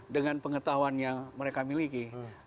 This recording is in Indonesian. dengan pengetahuan yang mereka miliki